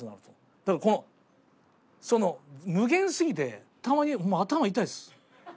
だからこのその無限すぎてたまにホンマ頭痛いです。